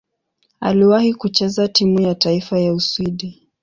Aliwahi kucheza timu ya taifa ya Uswidi.